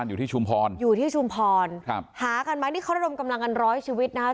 อยู่ที่ชุมพรอยู่ที่ชุมพรครับหากันไหมนี่เขาระดมกำลังกันร้อยชีวิตนะคะ